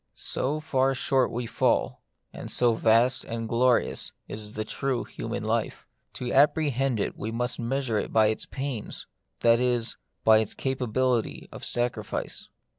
So far short we fall ; and so vast and glorious is the true human life. To ap prehend it we must measure it by its pains, that is, by its capability of sacrifice.